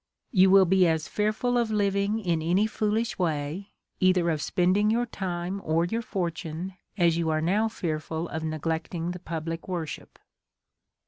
You will be as fearful of living in any foolish way, either of spending your time or your fortune, as you are now fearful of neglecting the public worship.